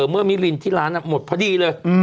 เมื่อมิลินที่ร้านหมดพอดีเลย